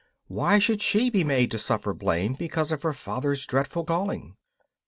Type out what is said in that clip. Why should she be made to suffer blame because of her father's dreadful calling?